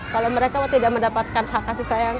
kalau mereka tidak mendapatkan hak kasih sayang